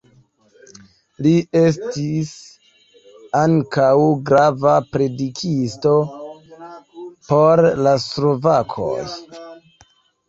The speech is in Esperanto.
Li estis ankaŭ grava predikisto por la slovakoj.